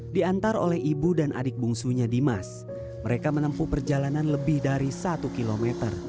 diantar oleh ibu dan adik bungsunya dimas mereka menempuh perjalanan lebih dari satu km